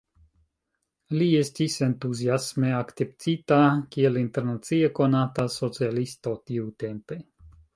Li estis entuziasme akceptita, kiel internacie konata socialisto tiutempe.